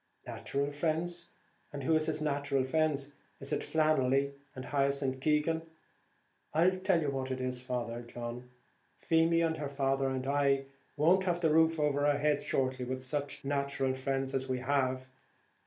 "Nathural friends! and who is his nathural friends! Is it Flannelly, and Hyacinth Keegan? I tell you what it is, Father John, Feemy and her father and I won't have the roof over our heads shortly, with such nathural friends as we have.